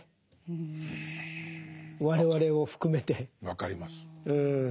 分かります。